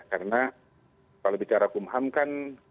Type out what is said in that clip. karena kalau bicara kub ham kan